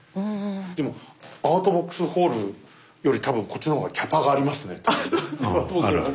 でもアートボックスホールより多分こっちのほうがキャパがありますね多分ね。